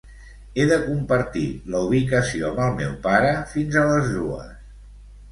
He de compartir la ubicació amb el meu pare fins a les dues.